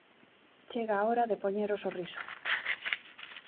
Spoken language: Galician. Chega a hora de poñer o sorriso.